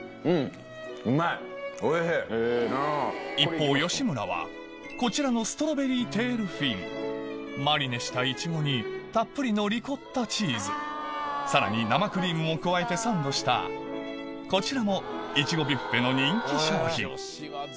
一方吉村はこちらのマリネしたいちごにたっぷりのリコッタチーズさらに生クリームを加えてサンドしたこちらもいちごビュッフェの人気商品